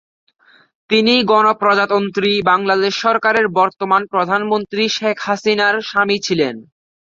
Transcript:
তিনি গণপ্রজাতন্ত্রী বাংলাদেশ সরকারের বর্তমান প্রধানমন্ত্রী শেখ হাসিনার স্বামী ছিলেন।